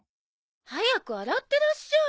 早く洗ってらっしゃい。